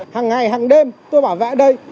hàng ngày hàng đêm tôi bảo vậy ở đây